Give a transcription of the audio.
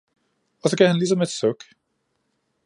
og så gav han ligesom et suk.